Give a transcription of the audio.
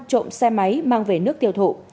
trộm xe máy mang về nước tiêu thụ